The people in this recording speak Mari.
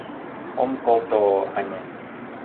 Ом колто-о, ане!..